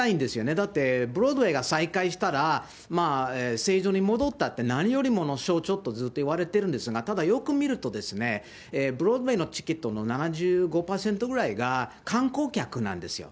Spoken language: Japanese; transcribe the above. だって、ブロードウェイが再開したら、正常に戻ったって、何よりも象徴とずっといわれてるんですが、ただよく見ると、ブロードウェイのチケットの７５％ぐらいが観光客なんですよ。